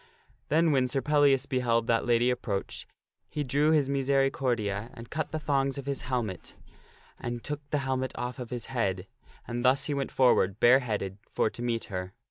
Then when Sir Pellias beheld that lady approach, he drew his miseri cordia and cut the thongs of his helmet, and took the helmet off of his head, and thus he went forward, bareheaded, for to meet her.